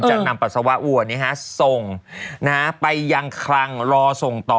นำปัสสาวะวัวส่งไปยังคลังรอส่งต่อ